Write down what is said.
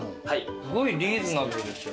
すごいリーズナブルですよね。